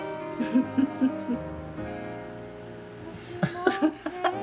フフフフッ。